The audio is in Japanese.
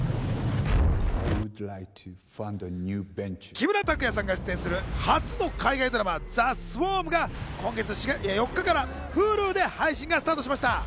木村拓哉さんが出演する初の海外ドラマ『ＴＨＥＳＷＡＲＭ／ザ・スウォーム』が今月４日からＨｕｌｕで配信がスタートしました。